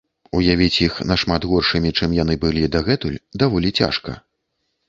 Уявіць іх нашмат горшымі, чым яны былі дагэтуль, даволі цяжка.